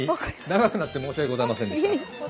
長くなって申し訳ございませんでした。